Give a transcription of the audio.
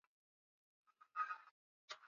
Shughuli imeanza.